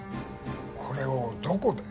これをどこで？